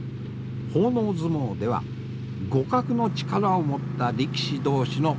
奉納相撲では互角の力を持った力士同士の取組が求められます。